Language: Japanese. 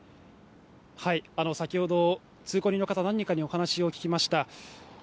先ほど、通行人の方、何人かにお話を聞きました。